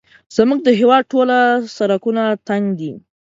زموږ د هېواد ټوله سړکونه تنګ دي